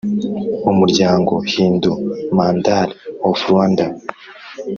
Umuryango Hindu Mandal of Rwanda